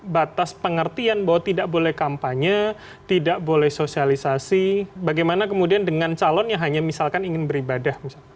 batas pengertian bahwa tidak boleh kampanye tidak boleh sosialisasi bagaimana kemudian dengan calon yang hanya misalkan ingin beribadah